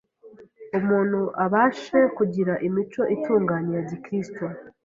umuntu abashe kugira imico itunganye ya Gikristo